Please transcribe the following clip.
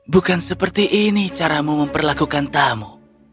bukan seperti ini caramu memperlakukan tamu